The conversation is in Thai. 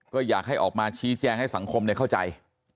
ก็อยากให้ออกมาชี้แจงให้สังคมเข้าใจ